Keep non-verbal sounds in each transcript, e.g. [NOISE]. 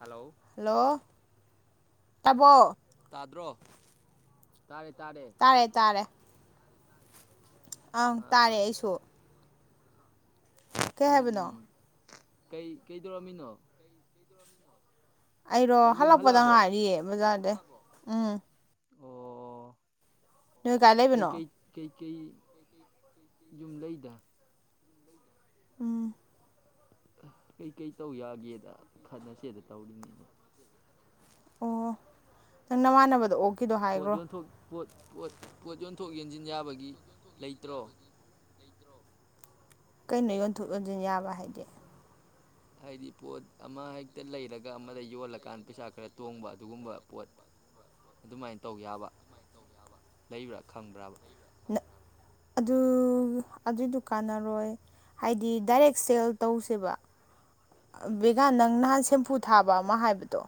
Hello ꯇꯕꯣ ꯇꯥꯗ꯭ꯔꯣ ꯇꯥꯔꯦ ꯇꯥꯔꯦ ꯑꯪ ꯇꯥꯔꯦ ꯑꯥ ꯑꯩꯁꯨ ꯀꯩ ꯎꯝ ꯍꯥꯏꯕꯅꯣ ꯎꯝ ꯀꯩ ꯀꯩꯗꯧꯔꯝꯃꯤꯅꯣ ꯑꯩꯔꯣ ꯌꯨꯝ ꯍꯜꯂꯛꯄꯗ ꯍꯜꯂꯛꯑꯕꯣ ꯉꯥꯏꯔꯤꯌꯦ ꯕꯖꯥꯔꯗꯩ ꯎꯝ ꯑꯣ ꯅꯣꯏ ꯀꯥꯏ ꯂꯩꯕꯅꯣ ꯀꯩ ꯌꯨꯝ ꯂꯩꯗ ꯎꯝ ꯀꯩꯀꯩ ꯇꯧ ꯌꯥꯒꯦꯗ ꯈꯟꯅꯁꯦꯗ ꯇꯧꯔꯤꯅꯤꯅꯦ ꯑꯣ ꯅꯪ ꯅꯃꯥꯟꯅꯕꯗꯣ ꯑꯣ ꯄꯣꯠ ꯌꫭꯟꯊꯣꯛ ꯄꯣꯠ ꯄꯣꯠ ꯄꯣꯠ ꯌꯣꯟꯊꯣꯛ ꯌꯣꯟꯁꯤꯟ ꯌꯥꯕꯒꯤ ꯂꯩꯇ꯭ꯔꯣ ꯀꯩꯅꯣ ꯌꯣꯟꯊꯣꯛ ꯌꯣꯟꯁꯤꯟ ꯌꯥꯕ ꯍꯥꯏꯗꯤ ꯍꯥꯏꯗꯤ ꯄꯣꯠ ꯑꯃ ꯍꯦꯛꯇ ꯂꯩꯔꯒ ꯑꯃꯗ ꯌꯣꯜꯂꯀꯥꯟꯗ ꯄꯩꯁꯥ ꯈꯔ ꯇꯣꯡꯕ ꯑꯗꯨꯒꯨꯝꯕ ꯄꯣꯠ ꯑꯗꯨꯃꯥꯏꯅ ꯇꯧ ꯌꯥꯕ ꯂꯩꯕ꯭ꯔꯥ ꯈꯪꯕ꯭ꯔꯥꯕ ꯑꯗꯨ ꯑꯗꯨꯏꯗꯨ ꯀꯥꯟꯅꯔꯣꯏ ꯍꯥꯏꯗꯤ ꯗꯥꯏꯔꯦꯛ ꯁꯦꯜ ꯇꯧꯁꯦꯕ ꯕꯦꯒ ꯅꯪ ꯅꯍꯥꯟ ꯁꯦꯝꯄꯐꯨ ꯊꯥꯕ ꯑꯃ ꯍꯥꯏꯕꯗꯣ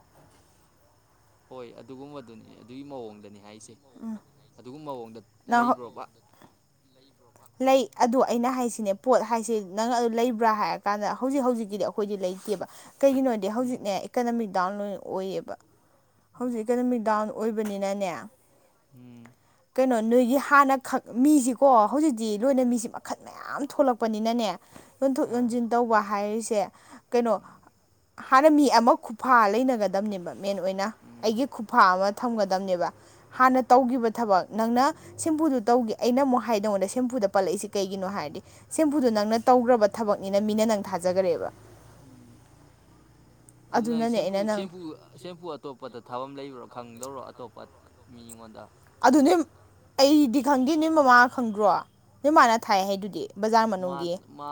ꯍꯣꯏ ꯑꯗꯨꯒꯨꯝꯕꯗꯨꯅꯤ ꯑꯗꯨꯒꯤ ꯃꯑꯣꯡꯗꯅꯤ ꯍꯥꯏꯁꯦ ꯑꯗꯨꯒ ꯃꯑꯣꯡꯗ ꯅꯪ ꯂꯩꯕ꯭ꯔꯣꯕ ꯂꯩ ꯑꯗꯨ ꯑꯩꯅ ꯍꯥꯏꯁꯤꯅꯦ ꯄꯣꯠ ꯍꯥꯏꯁꯤ ꯅꯪ ꯑꯗꯨ ꯂꯩꯕ꯭ꯔꯥ ꯍꯥꯏꯔꯀꯥꯟꯗ ꯍꯧꯖꯤꯛ ꯍꯧꯖꯤꯛꯀꯤꯗꯤ ꯑꯩꯈꯣꯏꯗꯤ ꯂꯩꯇꯦꯕ ꯀꯩꯒꯤꯅꯣꯗꯤ ꯎꯝ ꯍꯧꯖꯤꯛꯅꯦ ꯏꯀꫭꯅꫭꯃꯤꯛ ꯗꯥꯎꯟꯂꯣꯏ ꯑꯣꯏꯌꯦꯕ ꯍꯧꯖꯤꯛ ꯏꯀꫭꯅꫭꯃꯤ ꯗꯥꯎꯟ ꯑꯣꯏꯕꯅꯤꯅꯅꯦ ꯎꯝ ꯀꯩꯅꯣ ꯅꯣꯏꯒꯤ ꯍꯥꯟꯅ ꯈꯛ ꯃꯤꯁꯤꯀꯣ ꯍꯧꯖꯤꯛꯇꯤ ꯂꯣꯏꯅ ꯃꯤꯁꯤ ꯃꯈꯜ ꯃꯌꯥꯝ ꯊꯣꯛꯂꯛꯄ ꯄꯅꯤꯅꯅꯦ ꯌꯟꯊꯣꯛ ꯑꯥ ꯌꯣꯟꯁꯤꯟ ꯇꯧꯕ ꯍꯥꯏꯔꯤꯁ ꯁꯦ ꯀꯩꯅꯣ ꯎꯝ ꯍꯥꯟꯅ ꯃꯤ ꯑꯃ ꯈꯨꯐꯥ ꯂꯩꯅꯒꯗꯝꯅꯦꯕ ꯃꯦꯟ ꯑꯣꯏꯅ ꯎꯝ ꯑꯩꯒꯤ ꯈꯨꯐꯥ ꯑꯃ ꯊꯝꯒꯗꯝꯅꯦꯕ ꯍꯥꯟꯅ ꯇꯧꯈꯤꯕ ꯊꯕꯛ ꯅꯪꯅ ꯁꯤꯝꯕꯨꯨꯗꯨ ꯇꯧꯈꯤ ꯑꯩꯅ ꯑꯃꯨꯛ ꯍꯥꯏꯗꯧꯅꯗ ꯁꯦꯝꯄꯨꯗ ꯄꯜꯂꯛꯏꯁꯤ ꯀꯩꯒꯤꯅꯣ ꯍꯥꯏꯔꯗꯤ ꯁꯦꯝꯄꯨꯗꯣ ꯅꯪꯅ ꯇꯧꯈ꯭ꯔꯕ ꯊꯕꯛꯅꯤꯅ ꯃꯤꯅ ꯅꯪ ꯊꯥꯖꯈꯔꯦꯕ ꯎꯝ ꯑꯗꯨ ꯑꯗꯨꯅꯅꯦ ꯑꯩꯅ ꯅꯪꯨꯨ ꯅꯪ ꯁꯦꯝꯄꯨ ꯑꯇꯣꯞꯄꯗ ꯊꯥꯕ ꯑꯃ ꯂꯩꯕ꯭ꯔꯥ ꯈꯪꯗ ꯂꯧꯔꯣ ꯑꯇꯣꯞꯄ ꯃꯤꯉꯣꯟꯗ ꯑꯗꯨ ꯅꯣꯏ ꯑꯩꯗꯤ ꯈꯪꯗꯦ ꯅꯣꯏ ꯃꯃꯥ ꯈꯪꯗ꯭ꯔꯣ ꯅꯣꯏ ꯃꯥꯃꯅ ꯊꯥꯏ ꯍꯥꯏꯗꯨꯗꯤ ꯕꯖꯥꯔ ꯃꯥ ꯃꯅꯨꯡꯒꯤ ꯃꯥ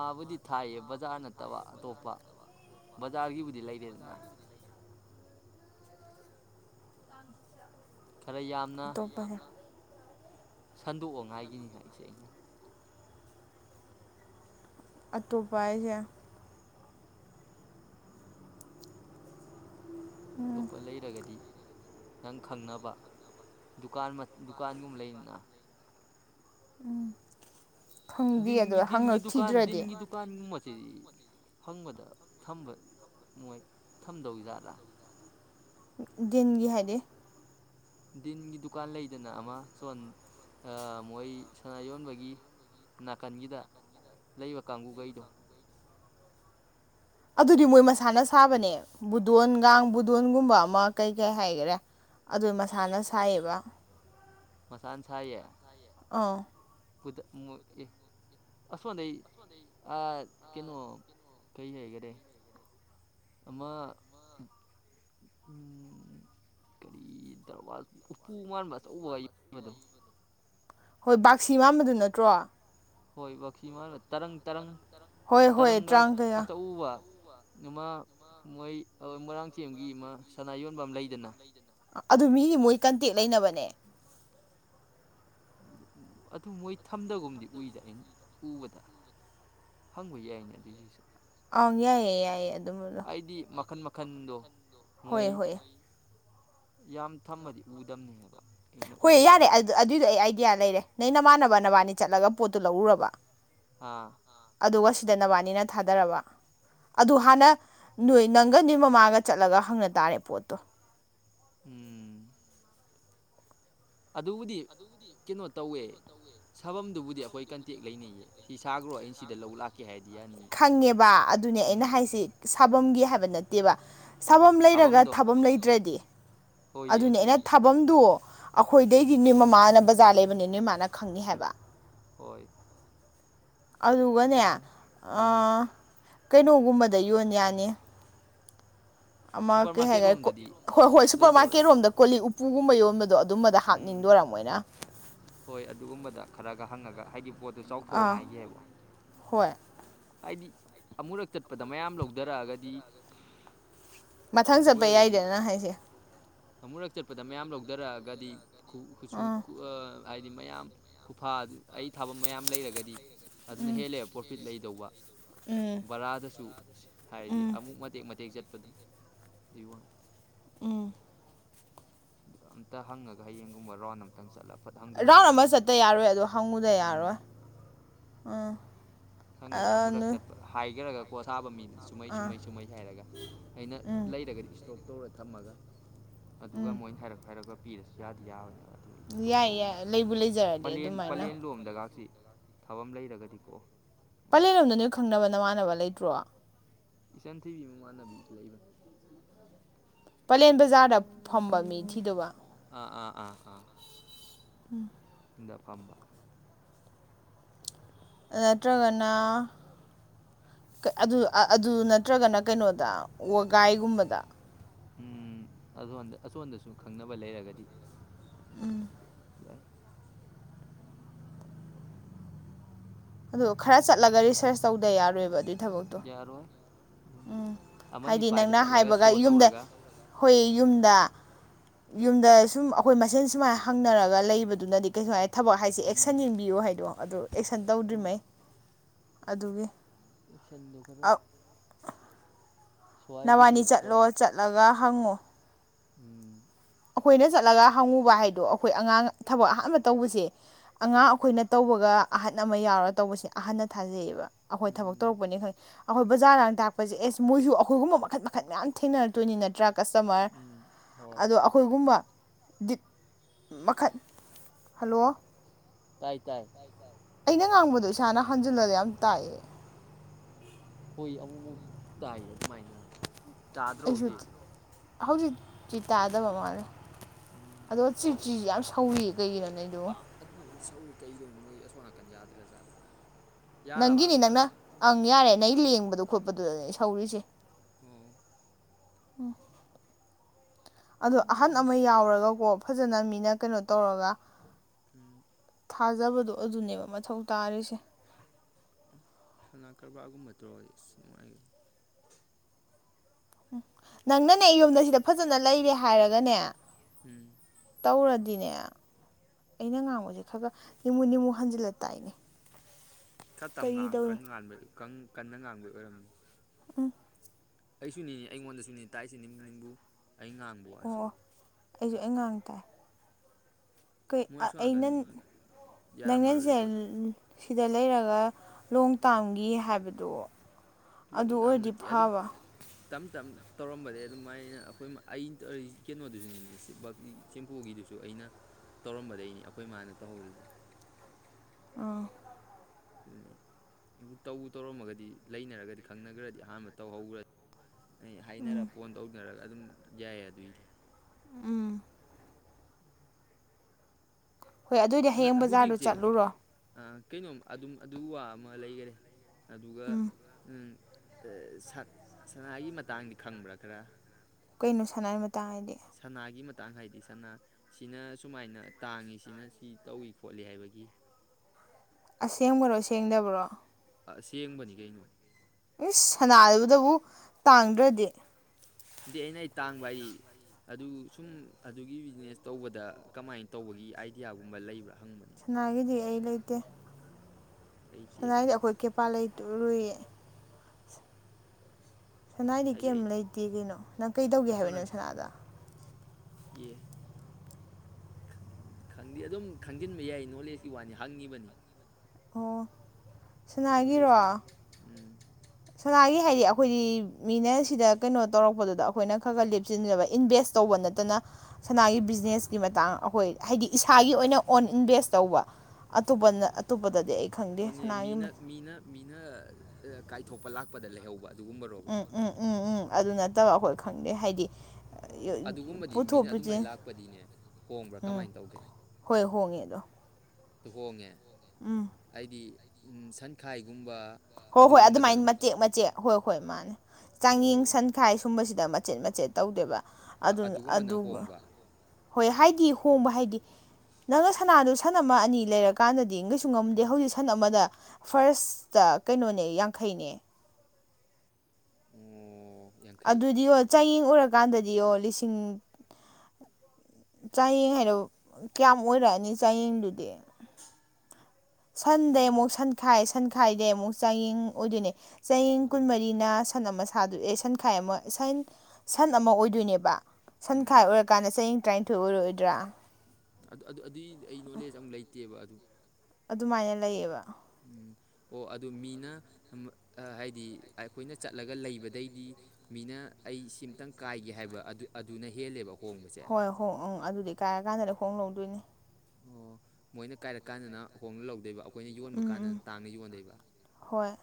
ꯊꯥꯏꯌꯦ ꯕꯖꯥꯔ ꯅꯠꯇꯕ ꯑꯇꯣꯞꯄ ꯕꯖꯥꯔꯒꯤꯕꯨꯗꯤ ꯂꯩꯔꯦꯗꯅ ꯈꯔ ꯌꯥꯝꯅ ꯑꯇꯣꯞꯄꯁꯦ ꯁꯟꯗꯣꯛꯉꯥꯏꯒꯤꯅꯤ ꯍꯥꯏꯁꯦ ꯑꯩꯅ ꯑꯇꯣꯞꯄꯥꯏꯁꯦ ꯑꯇꯣꯞꯄ ꯂꯩꯔꯒꯗꯤ ꯅꯪ ꯈꯪꯅꯕ ꯗꯨꯀꯥꯟ ꯗꯨꯀꯥꯟꯒꯨꯝꯕ ꯂꯩꯅ ꯎꯝ ꯤꯟꯒꯤꯤꯟꯒꯤ ꯗꯨꯀꯥꯟ ꯤꯟꯒꯤ ꯗꯨꯀꯥꯟꯒꯤꯨꯝ ꯃꯆꯦꯔꯤ ꯍꯪꯕꯗ ꯊꯝꯕ ꯃꯣꯏ ꯊꯝꯗꯧ ꯖꯥꯠꯂꯥ ꯟꯒꯤ ꯍꯥꯏꯗꯤ ꯗꯤꯟꯒꯤ ꯗꯨꯀꯥꯟ ꯂꯩꯗꯅ ꯑꯃ ꯁꯣꯟ ꯃꯣꯏ ꯁꯅꯥ ꯌꯣꯟꯕꯒꯤ ꯅꯥꯀꯟꯒꯤꯗ ꯂꯩꯕ ꯀꯥꯡꯕꯨꯈꯩꯗꯣ ꯑꯗꯨꯗꯤ ꯃꯣꯏ ꯃꯁꯥꯅ ꯁꯥꯕꯅꯦ ꯕꯨꯗꯣꯟꯒꯥꯡ ꯕꯨꯗꯣꯟꯒꯨꯝꯕ ꯑꯃ ꯀꯩꯀꯩ ꯍꯥꯏꯈꯔꯦ ꯑꯗꯨ ꯃꯁꯥꯅ ꯁꯥꯏꯌꯦꯕ ꯃꯁꯥꯟꯅ ꯁꯦ ꯑꯥ ꯑꯦ ꯑꯁꯣꯟꯗꯩ ꯀꯩꯅꯣ ꯀꯩ ꯍꯥꯏꯒꯔꯦ ꯑꯃ ꯀꯔꯤ ꯗꯔꯕꯥꯖ ꯎꯄꯨ ꯃꯥꯟꯕ ꯑ ꯇꯧꯕ ꯌꯕꯗꯣ ꯍꯣꯏ ꯕꯥꯛꯁꯤ ꯃꯥꯟꯕꯗꯨ ꯅꯠꯇ꯭ꯔꯣ ꯍꯣꯏ ꯈ ꯃꯥ ꯇꯔꯪ ꯇꯔꯪ ꯍꯣꯏ ꯍꯣꯏ ꯇ꯭ꯔꯥꯡꯒꯌꯥ ꯑꯃꯃ ꯃꯣꯏ ꯑꯩꯣꯏ ꯃꯣꯏꯔꯥꯡꯊꯦꯝꯒꯤ ꯑꯃ ꯁꯅꯥ ꯌꯣꯟꯕ ꯑꯃ ꯂꯩꯗꯅ ꯑꯗꯨ ꯃꯤꯒꯤ ꯃꯣꯏ ꯀꯟꯇꯦꯛ ꯂꯩꯅꯕꯅꯦ ꯑꯗꯨ ꯃꯣꯏ ꯊꯝꯗꯒꯨꯝꯗꯤ ꯎꯏꯗ ꯑꯩꯅ ꯎꯕꯗ ꯍꯪꯕ ꯌꯥꯏꯅꯦ ꯑꯗꯨꯏꯒꯤꯁꯨ ꯑ ꯌꯥꯏꯑꯌꯦ ꯌꯥꯏꯑꯌꯦ ꯑꯗꯨ ꯑꯩꯗꯤ ꯃꯈꯟ ꯃꯈꯜ ꯈꯟꯗꯣ ꯍꯣꯏ ꯍꯣꯏ ꯌꯥꯝ ꯊꯝꯃꯗꯤ ꯎꯗꯕꯅꯦ ꯍꯥꯏꯕ ꯍꯣꯏ ꯌꯥꯔꯦ ꯑꯗꯨ ꯑꯗꯨꯏꯗꯣ ꯑꯩ ꯑꯥꯏꯗꯤꯌꯥ ꯂꯩꯔꯦ ꯅꯪ ꯅꯃꯥꯟꯅꯕ ꯅꯕꯥꯅꯤ ꯆꯠꯂꯒ ꯄꯣꯠꯇꯨ ꯂꯧꯔꯨꯔꯕ ꯑꯥ ꯑꯗꯨꯒ ꯁꯤꯗ ꯅꯕꯥꯅꯤꯅ ꯊꯥꯗꯔꯕ ꯑꯗꯨ ꯍꯥꯟꯅ ꯅꯣꯏ ꯅꯪꯒ ꯅꯣꯏ ꯃꯃꯥꯒ ꯆꯠꯂꯒ ꯍꯪꯅ ꯇꯥꯔꯦ ꯄꯣꯠꯇꯣ ꯎꯝ ꯑꯗꯨꯕꯨꯗꯤ ꯀꯩꯅꯣ ꯇꯧꯋꯦ ꯁꯥꯐꯝꯗꯨꯕꯨꯗꯤ ꯑꯩꯈꯣꯏ ꯀꯟꯇꯦꯛ ꯂꯩꯅꯩꯌꯦ ꯁꯤ ꯁꯥꯈ꯭ꯔꯣ ꯑꯩꯅ ꯁꯤꯗ ꯂꯧ ꯂꯥꯛꯀꯦ ꯍꯥꯏꯗꯤ ꯈꯪꯉꯦꯕ ꯑꯗꯨꯅꯦ ꯑꯩꯅ ꯍꯥꯏꯁꯤꯦ ꯊꯥꯐꯝꯒꯤ ꯍꯥꯏꯕ ꯅꯠꯇꯦꯕ ꯁꯥꯐꯝ ꯂꯩꯔꯒ ꯊꯥꯐꯝꯗꯣ ꯊꯥꯐꯝ ꯂꯩꯇ꯭ꯔꯗꯤ ꯍꯣꯏ ꯑꯗꯨꯅꯦ ꯑꯩꯅ ꯑꯗꯨꯅꯤ ꯊꯥꯐꯝꯗꯨꯣ ꯎꯝ ꯑꯩꯈꯣꯏꯗꯩꯗꯤ ꯅꯤ ꯃꯃꯥꯟꯅꯕ ꯖꯥ ꯂꯩꯕꯅꯤ ꯅ ꯃꯥꯅ ꯈꯪꯅꯤ ꯍꯥꯏꯕ ꯍꯣꯏ ꯑꯗꯨꯒꯅꯦ ꯑꯗꯨꯃ ꯑꯥ ꯀꯩꯅꯣꯒꯨꯝꯕꯗ ꯌꯣꯟ ꯌꯥꯅꯤ ꯑꯃ ꯁꯨꯄꯔ ꯀꯩ ꯃꯥꯔꯀꯦꯠ ꯍꯥꯏꯒꯔꯦ ꯔꯣꯝꯗꯗꯤ ꯍꯣꯏ ꯍꯣꯏ ꯁꯨꯄꯔ ꯂꯩꯗꯧꯔꯥ ꯃꯥꯔꯀꯦꯠ ꯔꯣꯝꯗ ꯀꯣꯂꯤꯛ ꯎꯞ ꯄꯨꯒꯨꯝꯕ ꯌꯣꯟꯕꯗ ꯑꯗꯨ ꯑꯗꯨꯝꯕꯗ ꯎꯝ ꯍꯥꯞꯅꯤꯡꯗꯣꯏꯔꯝꯃꯣꯏꯅ ꯍꯥꯏꯗꯤꯞ ꯄꯣꯠꯇꯣ ꯆꯥꯎꯊꯣꯛꯉꯥꯏꯒꯤ ꯍꯥꯏꯕ ꯍꯣꯏ ꯍꯥꯏꯗꯤ ꯑꯃꯨꯔꯛ ꯆꯠꯄꯗ ꯃꯌꯥꯝ ꯂꯧꯊꯔꯛꯑꯒꯗꯤ ꯃꯊꯪ ꯑꯗꯨ ꯆꯠꯄ ꯑꯣꯏꯔꯒꯗꯤ ꯌꯥꯏꯗꯅ ꯍꯥꯏꯁꯦ ꯑꯃꯨꯔꯛ ꯆꯠꯄꯗ ꯃꯌꯥꯝ ꯂꯧꯊꯔꯛꯑꯒꯗꯤ ꯈꯨ ꯍꯨꯁꯨ ꯈꯨ ꯑꯥ ꯍꯥꯏꯗꯤ ꯃꯌꯥꯝ ꯈꯨꯐꯥ ꯑꯩ ꯊꯥꯐꯝ ꯃꯌꯥꯝ ꯂꯩꯔꯒꯗꯤ ꯑꯗꯨꯅ ꯎꯝ ꯍꯦꯜꯂꯦꯕ ꯄ꯭ꯔꯣꯐꯤꯠ ꯂꯩꯗꯧꯕ ꯎꯝ ꯕꯔꯥꯗꯁꯨ ꯍꯥꯏꯗꯤ ꯎꯝ ꯑꯃꯨꯛ ꯃꯇꯦꯛ ꯃꯇꯦꯛ ꯆꯠꯄ ꯄꯗꯥ ꯏ ꯋꯥꯟ ꯎꯝ ꯑꯝꯇ ꯍꯪꯉꯒ ꯍꯌꯦꯡꯒꯨꯝꯕ ꯔꯥꯎꯟ ꯑꯝꯇꯪ ꯆꯠꯂ ꯐꯠ ꯔꯥꯎꯟ ꯍꯪꯗꯣꯛꯎꯔꯒ ꯑꯃ ꯆꯠꯇ ꯌꯥꯔꯣꯏ ꯑꯗꯨ ꯍꯪꯉꯨꯗ ꯌꯥꯔꯣꯏ ꯑ ꯈꯪꯉꯒ ꯑꯃꯨꯔꯛ ꯅꯣꯏ ꯆꯠꯄ ꯍꯥꯏꯒꯔꯒ ꯄꯣꯊꯥꯕ ꯃꯤꯗꯤ ꯁꯨꯝꯃꯩ ꯑꯥ ꯁꯨꯝꯃꯩ ꯁꯨꯝꯃꯩ ꯍꯥꯏꯔꯒ ꯑꯩꯅ ꯎꯝ ꯂꯩꯔꯒꯗꯤ ꯏꯁꯇꯣꯛ ꯇꯧꯔ ꯊꯝꯃꯒ ꯑꯗꯨꯒ ꯎꯝ ꯃꯣꯏꯅ ꯍꯥꯏꯔꯛ ꯍꯥꯏꯔꯒ ꯄꯤꯔꯁꯨ ꯌꯥꯗꯤ ꯌꯥꯕꯅꯦꯕ ꯑꯗꯨ ꯏꯁꯇꯣꯛ ꯌꯥꯏ ꯇꯧꯐꯝ ꯌꯥꯏ ꯂꯩꯕꯨ ꯂꯩꯖꯔꯗꯤ ꯑꯗꯨꯃꯥꯏꯅ ꯊꯕꯝ ꯂꯩꯔꯒꯗꯤꯀꯣ ꯇ꯭ꯔꯣ ꯏꯆꯟ ꯊꯤꯕꯤ ꯃꯃꯥꯟꯅꯕꯤ ꯂꯩꯕꯅꯤ ꯄꯂꯦꯟ ꯕꯖꯥꯔꯗ ꯐꯝꯕ ꯃꯤ ꯊꯤꯗꯕ ꯑꯥ ꯑꯥ ꯑꯥ ꯎꯝ ꯗ ꯐꯝꯕ ꯑꯥ ꯅꯠꯇ꯭ꯔꯒꯅ ꯀ ꯑꯗꯨ ꯑꯥ ꯑꯗꯨ ꯑꯥ ꯅꯠꯇ꯭ꯔꯒꯅ ꯀꯩꯅꯣꯗ ꯋꯥꯒꯥꯏꯒꯨꯝꯕꯗ ꯎꯝ ꯑꯗꯨ ꯍꯟꯗꯛ ꯑꯁꯨ ꯍꯟꯗꯛꯁꯨ ꯈꯪꯅꯕ ꯂꯩꯔꯒꯗꯤ ꯎꯝ [UNINTELLIGIBLE] ꯑꯗꯨ ꯈꯔ ꯆꯠꯂꯒ ꯔꯤꯁꯔꯁ ꯇꯧꯗ ꯌꯥꯔꯣꯏꯕ ꯑꯗꯨꯏ ꯊꯕꯛꯇꯣ ꯌꯥꯔꯣꯏ ꯅꯨꯡꯗꯤ ꯎꯝ ꯑꯃꯅꯤ ꯍꯥꯏꯗꯤ ꯄꯥꯏꯔ ꯅꯪꯅ ꯆꯠꯂꯒ ꯍꯥꯏꯕꯒ ꯁꯣ ꯌꯨꯝꯗ ꯇꯧꯔꯒ ꯍꯣꯏ ꯌꯨꯝꯗ ꯌꯨꯝꯗ ꯁꯨꯝ ꯑꯩꯈꯣꯏ ꯃꯁꯦꯟ ꯁꯨꯃꯥꯏꯅ ꯍꯪꯅꯔꯒ ꯂꯩꯕꯗꯨꯅꯗꯤ ꯀꯩꯁꯨ ꯍꯥꯏ ꯊꯕꯛ ꯍꯥꯏꯁꯦ ꯎꯝ ꯑꯦꯛꯁꯟ ꯌꯦꯡꯕꯤꯌꯣ ꯍꯥꯏꯗꯣ ꯑꯗꯨ ꯑꯦꯛꯁꯟ ꯇꯧꯗ꯭ꯔꯤꯃꯩ ꯑꯗꯨꯒꯤ ꯑꯛꯁꯟꯗꯨ ꯈꯔ ꯅꯋꯥꯅꯤ ꯁ꯭ꯋꯥꯏꯒꯤꯁꯦ ꯆꯠꯂꯣ ꯇꯧꯔ ꯆꯠꯂꯒ ꯍꯪꯉꯨ ꯎꯝ ꯑꯩꯈꯣꯏꯅ ꯆꯠꯂꯒ ꯍꯪꯉꯨꯕ ꯍꯥꯏꯗꯣ ꯑꯩꯈꯣꯏ ꯑꯉꯥꯡ ꯊꯕꯛ ꯑꯍꯥꯟꯕ ꯇꯧꯕꯁꯦ ꯑꯉꯥꯡ ꯑꯩꯈꯣꯏꯅ ꯇꯧꯕꯒ ꯑꯍꯟ ꯑꯃ ꯌꯥꯎꯔꯒ ꯇꯧꯕꯁꯦ ꯑꯍꯟꯅ ꯊꯥꯖꯩꯌꯦꯕ ꯑꯩꯈꯣꯏ ꯊꯕꯛ ꯎꯝ ꯇꯧꯔꯛꯄꯅꯤ ꯈꯪꯉꯤ ꯑꯩꯈꯣꯏ ꯕꯖꯥꯔ ꯒꯅ ꯇꯥꯛꯄꯁꯦ ꯑꯦꯁ ꯃꯣꯏꯁꯨ ꯑꯩꯈꯣꯏꯒꯨꯝꯕ ꯃꯈꯟ ꯃꯈꯟ ꯃꯌꯥꯝ ꯊꯦꯡꯅꯔꯛꯇꯣꯏꯅꯤ ꯅꯠꯇ꯭ꯔ ꯀꯁꯇꯃꯔ ꯎꯝ ꯍꯣꯏ ꯑꯗꯣ ꯨꯕ ꯗꯤꯛ ꯃꯈꯜ ꯍꯜꯂꯣ ꯇꯥꯏ ꯑꯩꯅ ꯉꯥꯡꯕꯗꯣ ꯏꯁꯥꯅ ꯍꯟꯖꯤꯜꯂꯒ ꯌꯥꯝ ꯇꯥꯏꯌꯦ ꯍꯣꯏ ꯑꯃꯨꯛꯃꯨꯛ ꯇꯥꯏ ꯑꯗꯨꯃꯥꯏꯅ ꯇꯥꯗ꯭ꯔꯣ ꯑꯩꯁꯨ ꯍꯧꯖꯤꯛ ꯍꯧꯖꯤꯛꯇꯤ ꯇꯥꯗꯕ ꯃꯥꯜꯂꯦ ꯎꯝ ꯑꯗꯣ ꯆꯤ ꯆꯤꯁꯨ ꯌꯥꯝ ꯁꯧꯔꯤ ꯀꯩꯒꯤꯅꯣ ꯅꯩꯗꯨꯕꯨ ꯑꯥ ꯑꯗꯨꯝ ꯁꯧꯔꯤ ꯀꯩꯒꯨꯝ ꯃꯣꯏ ꯑꯁꯣꯝ ꯅꯥꯀꯟ ꯌꯥꯗ꯭ꯔꯥ ꯖꯥꯠꯂꯥ ꯅꯪꯒꯤꯅꯤ ꯅꯪꯅ ꯑꯪ ꯌꯥꯔꯦ ꯅꯩ ꯂꯦꯡꯕꯗꯣ ꯈꯣꯠꯄꯗꯨꯗꯅꯦ ꯁꯧꯔꯤꯁꯦ ꯑꯣ ꯎꯝ ꯑꯗꯣ ꯑꯍꯟ ꯑꯃ ꯎꯝ ꯌꯥꯎꯔꯒꯀꯣ ꯐꯖꯅ ꯃꯤꯅ ꯀꯩꯅꯣ ꯇꯧꯔꯒ ꯎꯝ ꯊꯥꯖꯕꯗꯣ ꯑꯗꯨꯅꯦꯕ ꯃꯊꯧ ꯇꯥꯔꯤꯁꯦ ꯁꯅꯥ ꯀꯔꯕꯥꯔꯒꯨꯝꯕ ꯇꯧꯔꯗꯤ ꯑꯁ ꯅꯨꯡꯉꯥꯏꯒꯅꯤ ꯅꯪꯅꯅꯦ ꯌꯨꯝꯗ ꯁꯤꯗ ꯐꯖꯅ ꯂꯩꯔꯦ ꯍꯥꯏꯔꯒꯅꯦ ꯎꯝ ꯇꯧꯔꯗꯤꯅꯦ ꯑꯩꯅ ꯉꯥꯡꯕꯁꯦ ꯈꯔ ꯈꯔ ꯅꯤꯃꯨ ꯅꯤꯃꯨ ꯍꯟꯖꯤꯜꯂ ꯇꯏꯅꯦ ꯈꯔꯥ ꯇꯞꯅꯥ ꯉꯥꯡꯉꯨ ꯀꯟꯅ ꯉꯥꯟꯕ ꯀꯟꯅ ꯉꯥꯡꯕ [UNINTELLIGIBLE] ꯎꯝ ꯑꯩꯁꯨꯅꯤ ꯑꯩꯉꯣꯟꯗꯁꯨꯅꯤ ꯇꯥꯏꯁꯤ ꯅꯤꯝꯕꯨ ꯅꯤꯝꯕꯨ ꯑꯩ ꯉꯥꯡꯕ ꯋꯥꯁꯦ ꯑꯣ ꯑꯩꯁꯨ ꯑꯩ ꯉꯥꯡ ꯇꯥꯏ ꯀꯩ ꯃꯣꯏ ꯑꯁꯣꯝ ꯅꯥꯀꯟ ꯑꯩꯅ ꯌꯥꯔꯝꯃꯔꯣꯏ ꯅꯪꯅꯁꯦ ꯔꯦꯀꯣꯔꯠ ꯁꯤꯗ ꯂꯩꯔꯒ ꯂꯣꯡ ꯇꯥꯝꯒꯤ ꯍꯥꯏꯕꯗꯨ ꯂꯣꯡ ꯇꯥꯝ ꯅꯠꯇꯦ ꯑꯗꯨꯝ ꯇꯞ ꯇꯝ ꯇꯧꯔꯝꯕꯗꯒꯩ ꯑꯗꯨꯃꯥꯏꯅ ꯑꯩꯈꯣꯏ ꯑꯩꯅ ꯀꯩꯅꯣꯗꯨꯁꯨꯅꯤꯅꯦ ꯁꯤꯕ ꯁꯦꯝꯄꯨꯒꯤꯗꯨꯁꯨ ꯑꯩꯅ ꯇꯧꯔꯝꯕꯗꯩꯅꯦ ꯑꯩꯈꯣꯏ ꯏꯃꯥꯅ ꯇꯧꯍꯧꯔꯤꯁꯦ ꯑꯥ ꯇꯧ ꯇꯧꯔꯝꯃꯒꯗꯤ ꯂꯩꯅꯔꯒꯗꯤ ꯈꯪꯅꯈ꯭ꯔꯗꯤ ꯑꯍꯥꯟꯕ ꯇꯧꯍꯧꯒꯔ ꯑꯩ ꯎꯝ ꯍꯥꯏꯅꯔꯒ ꯐꯣꯟ ꯇꯧꯅꯔꯒ ꯑꯗꯨꯝ ꯌꯥꯏ ꯑꯗꯨꯏꯗꯤ ꯎꯝ ꯍꯣꯏ ꯑꯗꯨꯏꯗꯤ ꯍꯌꯦꯡ ꯕꯖꯥꯔꯗꯣ ꯍꯧꯖꯤꯛꯁꯦ ꯆꯠꯂꯨꯔꯣ ꯑ, ꯀꯩꯅꯣꯝ ꯑꯗꯨꯝ ꯑꯗꯨ ꯋꯥ ꯑꯃ ꯂꯩꯈꯔꯦ ꯑꯗꯨꯒ ꯎꯝ ꯎꯝ ꯁꯅꯥꯒꯤ ꯃꯇꯥꯡꯗꯤ ꯈꯪꯕ꯭ꯔꯥ ꯈꯔ ꯀꯩꯅꯣ ꯁꯅꯥꯏ ꯇꯗꯦ ꯇꯥꯡ ꯍꯥꯏꯥꯏꯗꯤ ꯁꯅꯥ ꯁꯤꯅ ꯁꯨꯃꯥꯏꯅ ꯇꯥꯡꯉꯤꯁꯤꯅ ꯁꯤ ꯇꯧꯏ ꯈꯣꯠꯂꯤ ꯍꯥꯏꯕꯒꯤ꯫ ꯑꯁꯦꯡꯕ꯭ꯔꯣ ꯁꯦꯡꯗꯕ꯭ꯔꯣ꯫ ꯑ ꯁꯦꯡꯕꯅꯤ ꯀꯩꯅꯣ ꯏꯁ ꯁꯅꯥꯗꯨꯗꯕꯨ ꯇꯥꯡꯗ꯭ꯔꯗꯤ꯫ ꯑꯗꯨꯗꯤ ꯑꯩꯅ ꯑꯩ ꯇꯥꯡꯕ ꯍꯥꯏ ꯑꯗꯨ ꯁꯨꯝ ꯑꯗꯨꯒꯤ ꯕꯤꯖꯤꯅꯦꯁ ꯇꯧꯕꯗ ꯀꯃꯥꯏꯅ ꯇꯧꯕꯒꯤ ꯑꯥꯏꯗꯤꯌꯥꯒꯨꯝꯕ ꯂꯩꯕ꯭ꯔꯥ ꯍꯪꯕꯅꯤ ꯆꯉꯗꯑꯌꯦ ꯂꯩꯇ ꯂꯩꯇꯦ ꯁꯉꯥꯏꯗ ꯑꯩꯈꯣꯏ ꯄꯂꯩ ꯇꯔꯨꯏ ꯁꯅꯥꯗꯤ ꯍꯥꯏꯗꯤ ꯀꯔꯤꯝ ꯑꯩ ꯂꯩꯇꯦ ꯀꯩꯅꯣ ꯅꯪ ꯀꯩꯗꯧꯒꯦ ꯑꯁꯣꯅ ꯍꯥꯏꯕꯅꯣ ꯁꯅꯥꯗ ꯑꯦ ꯑꯗꯨꯝ ꯈꯪꯖꯤꯟꯕ ꯌꯥꯏ ꯅꯣꯂꯦꯖꯀꯤ ꯋꯥꯅꯤ ꯍꯪꯉꯤꯕꯅꯤ ꯑꯣ ꯁꯅꯥꯒꯤꯔꯣ ꯍꯁꯤꯀꯤ ꯎꯝ ꯁꯅꯥꯒꯤ ꯍꯥꯏꯗꯤ ꯑꯩꯈꯣꯏꯗꯤ ꯃꯤꯅ ꯁꯤꯗ ꯀꯩꯅꯣ ꯇꯧꯔꯛꯄꯗꯨꯗ ꯑꯩꯈꯣꯏꯅ ꯈꯔ ꯈꯔ ꯂꯦꯞꯁꯤꯤꯟꯖꯕ ꯏꯟꯚꯦꯁ ꯇꯧꯕ ꯅꯠꯇꯅ ꯁꯅꯥꯒꯤ ꯕꯤꯖꯤꯅꯦꯁꯀꯤ ꯃꯇꯥꯡ ꯑꯩꯈꯣꯏ ꯍꯥꯏꯗꯤ ꯏꯁꯥꯒꯤ ꯑꯣꯏꯅ ꯑꯣꯟ ꯏꯟꯚꯦꯁ ꯇꯧꯕ ꯑꯇꯣꯞ ꯑꯇꯣꯞꯄꯗꯗꯤ ꯑꯩ ꯈꯪꯗꯦ ꯑꯣꯅꯦ ꯁꯅꯥꯒꯤ ꯃꯤꯅ ꯃꯤꯅ ꯃꯤꯅ ꯀꯥꯏꯊꯣꯛꯄ ꯂꯥꯛꯄꯗ ꯂꯩꯍꯧꯕ ꯑꯗꯨꯒꯨꯝꯕꯔꯣꯕ ꯎꯝ ꯎꯝ ꯎꯝ ꯎꯝ ꯑꯗꯨ ꯅꯠꯇꯕ ꯑꯩꯈꯣꯏ ꯈꯪꯗꯦ ꯍꯥꯏꯗꯤ ꯑꯣ ꯑꯗꯨꯒꯨꯝꯕꯗꯤ ꯄꯨꯊꯣꯛ ꯃꯤꯅ ꯄꯨꯁꯤꯟ ꯑꯗꯨꯃꯥꯏꯅ ꯂꯥꯛꯄꯗꯤꯅꯦ ꯍꯣꯡꯕ꯭ꯔꯥ ꯎꯝ ꯀꯃꯥꯏꯅ ꯇꯧꯒꯦ ꯍꯣꯏ ꯍꯣꯡꯉꯦ ꯑꯗꯣ ꯇꯨꯍꯣꯡꯉꯦ ꯎꯝ ꯍꯥꯏꯗꯤ ꯎ ꯁꯟꯈꯥꯏꯒꯨꯝꯕ ꯍꯣꯏ ꯍꯣꯏ ꯑꯗꯨꯃꯥꯏꯅ ꯑꯗꯨꯒꯨꯝꯕꯗꯔꯕ ꯃꯆꯦꯛ ꯃꯆꯦꯛ ꯍꯣꯏ ꯍꯣꯏ ꯃꯥꯅꯦ ꯆꯥꯡꯌꯦꯡ ꯑꯣ ꯁꯟꯈꯥꯏ ꯁꯨꯝꯕꯁꯤꯗ ꯗ ꯃꯆꯦꯠ ꯃꯆꯦꯠ ꯇꯧꯗꯦꯕ ꯑꯗꯨ ꯑꯗꯨꯒꯨꯝꯕꯅ ꯑꯗꯨꯒ ꯍꯣꯡꯕ ꯍꯣꯏ ꯍꯥꯏꯗꯤ ꯍꯣꯡꯕ ꯍꯥꯏꯗꯤ ꯅꯪꯅ ꯁꯅꯥꯗꯨꯣ ꯁꯟ ꯑꯃ ꯑꯅꯤ ꯂꯩꯔꯀꯥꯟꯗꯗꯤ ꯗꯤ ꯀꯩꯁꯨ ꯉꯝꯗꯦ ꯎꯝ ꯍꯧꯖꯤꯛ ꯁꯟ ꯑꯃꯗ ꯐꯥꯔꯁꯇ ꯀꯩꯅꯣꯅꯦ ꯌꯥꯡꯈꯩꯅꯦ ꯑꯣ ꯌꯥꯡꯈꯩ ꯑꯗꯨꯗꯤ ꯍꯣꯏ ꯆ ꯎꯔꯀꯥꯟꯗꯗꯤ ꯑꯣ ꯂꯤꯁꯤꯡ ꯆꯌꯦꯡ ꯍꯥꯏꯔꯣ ꯀꯌꯥꯝ ꯑꯣꯏꯔꯛꯑꯅꯤ ꯆꯌꯦꯡꯗꯨꯗꯤ ꯁꯟꯗꯩ ꯎꯝ ꯑꯃꯨꯛ ꯁꯟꯈꯥꯏꯁꯦ ꯁꯟꯈꯥꯏꯗꯩ ꯑꯃꯨꯛ ꯆꯌꯦꯡ ꯑꯣꯏꯗꯣꯏꯅꯦ ꯆꯌꯦꯡ ꯑꯥ ꯀꯨꯟꯃꯔꯤꯅ ꯁꯟ ꯑꯃ ꯁꯥꯗꯣꯛꯑꯦ ꯁꯟꯈꯥꯏ ꯑꯃ ꯁꯟ ꯁꯟ ꯑꯃ ꯑꯣꯏꯗꯣꯏꯅꯦꯕ ꯁꯟꯈꯥꯏ ꯎꯝ ꯑꯣꯏꯔꯀꯥꯟꯗ ꯆꯌꯦꯡ ꯇꯔꯥꯏꯟꯊꯣꯏ ꯑꯣꯏꯔꯛꯑꫭꯏꯗ꯭ꯔꯥ ꯑꯗꯨ ꯑꯗꯨ ꯑꯗꯨꯏ ꯑꯩ ꯅꯣꯂꯦꯖ ꯑꯝ ꯂꯩꯇꯦꯕ ꯑꯗꯨ ꯑꯗꯨꯃꯥꯏꯅ ꯂꯩꯌꯦꯕ ꯎꯝ ꯑꯣ ꯑꯗꯨ ꯃꯤꯅ ꯃ ꯑ ꯍꯥꯏꯗꯤ ꯑꯈꯣꯏꯅ ꯆꯠꯂꯒ ꯂꯩꯕꯗꯩꯗꯤ ꯃꯤꯅ ꯑꯩ ꯁꯤꯝꯇꯪ ꯀꯥꯏꯒꯦ ꯍꯥꯏꯕ ꯑꯗꯨ ꯑꯗꯨꯅ ꯍꯦꯜꯂꯦꯕ ꯍꯣꯡꯕꯁꯦ ꯍꯣꯏ ꯍꯣꯡ ꯑꯪ ꯑꯗꯨꯗꯤ ꯀꯥꯏꯔꯀꯥꯟꯗꯗꯤ ꯍꯣꯡ ꯂꯧ ꯂꯣꯏꯅꯤ ꯑꯣ ꯃꯣꯏꯅ ꯀꯥꯏꯔꯛ ꯀꯥꯟꯗꯅ ꯍꯣꯡꯅ ꯂꯧꯗꯣꯏꯕ ꯑꯈꯣꯏꯅ ꯌꯣꯟꯕ ꯎꯝ ꯀꯥꯟꯗ ꯎꯝ ꯇꯥꯡꯅ ꯌꯣꯟꯗꯩꯕ ꯍꯣꯏ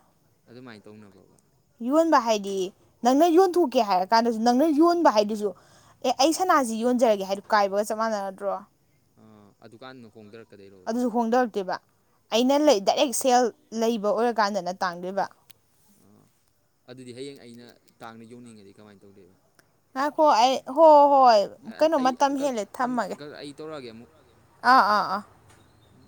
ꯑꯗꯨꯃꯥꯏꯅ ꯇꯧꯅꯕ꯭ꯔꯣꯕ ꯌꯣꯟꯕ ꯍꯥꯏꯗꯤ ꯅꯪꯅ ꯌꯣꯟꯊꯣꯛꯀꯦ ꯍꯥꯏꯔ ꯀꯥꯟꯗꯁꯨ ꯅꯪꯅ ꯌꯣꯟꯕ ꯍꯥꯏꯗꯨꯁꯨ ꯑꯦ ꯑꯩ ꯁꯅꯥꯁꯤ ꯌꯣꯟꯖꯔꯒꯦ ꯍꯥꯏꯗꯨ ꯀꯥꯏꯕꯒ ꯆꯞ ꯃꯥꯟꯅꯔꯗ꯭ꯔꯣ ꯑ ꯗꯨ ꯀꯀꯥꯟꯗ ꯍꯣꯡꯗꯔ ꯑꯗꯨꯁꯨ ꯍꯣꯡꯗꯔꯛꯇꯦꯕ ꯑꯩꯅ ꯂꯩ ꯗꯥꯏꯔꯦꯛ ꯁꯦꯜ ꯂꯩꯕ ꯑꯣꯏꯔꯀꯥꯟꯗꯅ ꯇꯥꯡꯗꯣꯏꯕ ꯑꯥ ꯑꯗꯨꯗꯤ ꯍꯌꯦꯡ ꯑꯩꯅ ꯇꯥꯡꯅ ꯌꯣꯡꯅꯤꯡꯉꯗꯤ ꯀꯃꯥꯏꯅ ꯇꯧꯗꯩꯕ ꯉꯥꯈꯣ ꯑꯩ ꯍꫭ ꯍꯣꯏ ꯀꯩꯅꯣ ꯑꯩ ꯃꯇꯝ ꯍꯦꯜꯂꯦ ꯑꯩ ꯊꯝꯃꯒꯦ ꯃꯊꯪ ꯑꯩ ꯇꯧꯔꯛꯑꯒꯦ ꯑꯃꯨꯛ ꯇꯧꯔꯛ ꯑꯒꯦ ꯑꯥ ꯑꯥ ꯑꯥ ꯎꯝ